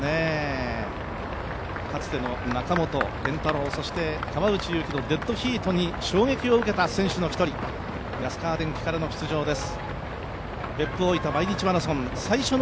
かつての中本健太郎、川内優輝のデッドヒートに衝撃を受けた選手の一人、安川電機からの出場です。